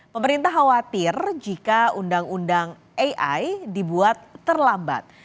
pemerintah khawatir jika undang undang ai dibuat terlambat